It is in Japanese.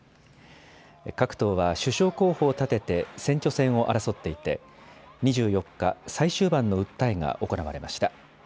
各党は首相候補を立てて選挙戦を争っていて２４日、最終盤の訴えが行われました。